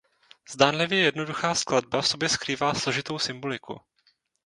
Zdánlivě jednoduchá skladba v sobě skrývá složitou symboliku.